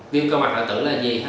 viêm cân mạc hoại tử là gì